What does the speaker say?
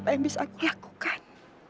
ya aku kan